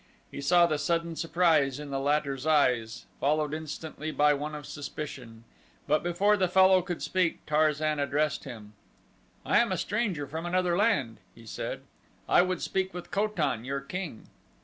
He saw the sudden surprise in the latter's eyes, followed instantly by one of suspicion, but before the fellow could speak Tarzan addressed him. "I am a stranger from another land," he said; "I would speak with Ko tan, your king."